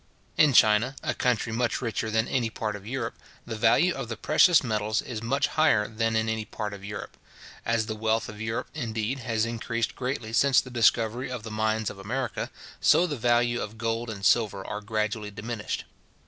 In China, a country much richer than any part of Europe, the value of the precious metals is much higher than in any part of Europe. As the wealth of Europe, indeed, has increased greatly since the discovery of the mines of America, so the value of gold and silver has gradually diminished.